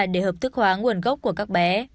để hợp thức hóa nguồn gốc của các bé